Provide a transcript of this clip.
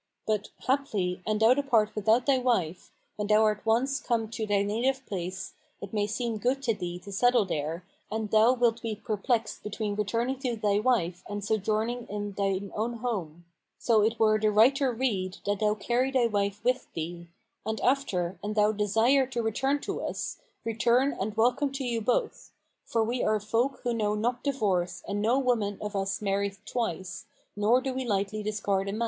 But, haply, an thou depart without thy wife, when thou art once come to thy native place, it may seem good to thee to settle there, and thou wilt be perplexed between returning to thy wife and sojourning in thine own home; so it were the righter rede that thou carry thy wife with thee; and after, an thou desire to return to us, return and welcome to you both; for we are folk who know not divorce and no woman of us marrieth twice, nor do we lightly discard a man."